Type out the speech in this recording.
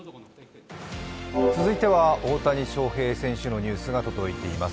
続いては大谷翔平選手のニュースが届いています。